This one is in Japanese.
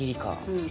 うん。